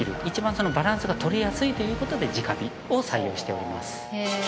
一番そのバランスがとりやすいという事で直火を採用しております。